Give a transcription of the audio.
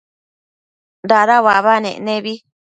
dada uabanec nebi